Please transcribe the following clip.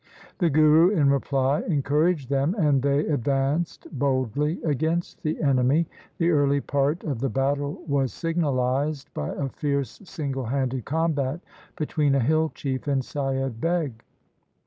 The Guru in reply encouraged them, and they advanced boldly against the enemy. The early part of the battle was signalized by a fierce single handed combat between a hill chief and Saiyad Beg.